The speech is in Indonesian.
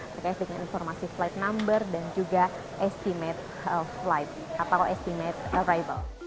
terkait dengan informasi flight number dan juga estimate flight atau estimate arrivable